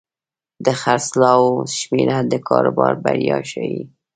د خرڅلاو شمېره د کاروبار بریا ښيي.